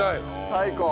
最高。